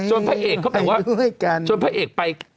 พระเอกเขาแบบว่าจนพระเอกไป